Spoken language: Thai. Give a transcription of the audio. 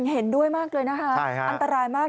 เห็นด้วยมากเลยนะคะอันตรายมาก